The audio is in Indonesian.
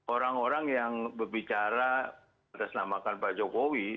orang orang yang berbicara atas namakan pak jokowi